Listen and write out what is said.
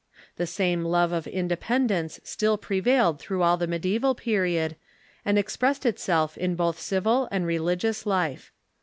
The same love of independence still prevailed through all the mediaeval period, and expressed itself in both civil and re ligious life.